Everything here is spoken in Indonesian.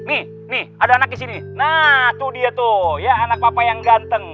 nih nih ada anak disini nah tuh dia tuh ya anak papa yang ganteng